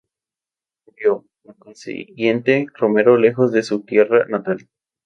Murió, por consiguiente, Romero lejos de su tierra natal.